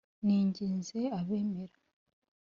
Ninginze abemera